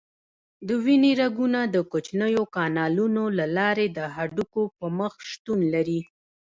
د وینې رګونه د کوچنیو کانالونو له لارې د هډوکو په مخ شتون لري.